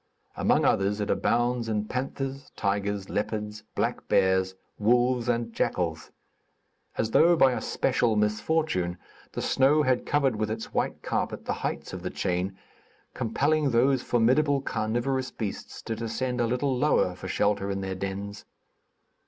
Among others it abounds in panthers, tigers, leopards, black bears, wolves and jackals. As though by a special misfortune, the snow had covered with its white carpet the heights of the chain, compelling those formidable, carnivorous beasts to descend a little lower for shelter in their dens.